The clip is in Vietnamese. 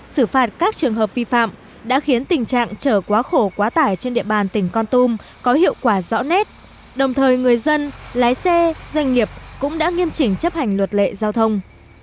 các trường hợp phi phạm đã khiến tình trạng chở quá khổ quá tải trên địa bàn tỉnh con tôm có hiệu quả rõ nét đồng thời người dân lái xe doanh nghiệp cũng đã nghiêm chỉnh chấp hành luật lệ giao thông